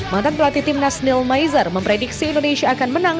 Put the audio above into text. mantan pelatih timnas neil maizar memprediksi indonesia akan menang